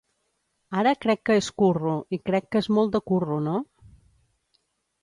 Ara crec que és curro i crec que és molt de curro, no?